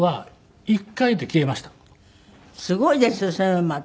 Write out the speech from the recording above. すごいですねそれはまた。